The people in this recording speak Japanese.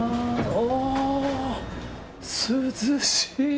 おお、涼しい！